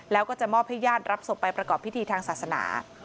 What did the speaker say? แล้วก็จะมอบให้ญาติรับศพไปประกอบพิธีทางศาสนา